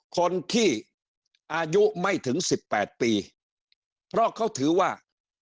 คนที่อายุไม่ถึงสิบแปดปีเพราะเขาถือว่า